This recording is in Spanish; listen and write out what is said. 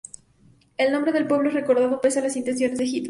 El nombre del pueblo es recordado pese a las intenciones de Hitler.